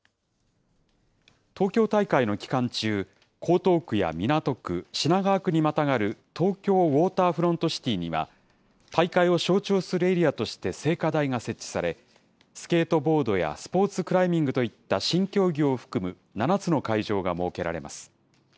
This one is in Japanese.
東京大会の期間中、江東区や港区、品川区にまたがるトーキョーウォーターフロントシティには、大会を象徴するエリアとして聖火台が設置され、スケートボードやスポーツクライミングといった新競技を含む７つの会場が設けられます。